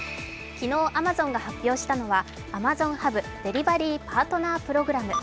昨日アマゾンが発表したのはＡｍａｚｏｎＨｕｂデリバリーパートナープログラム。